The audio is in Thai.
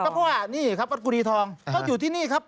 เพราะว่านี่ครับวัดกุรีทองก็อยู่ที่นี่ครับ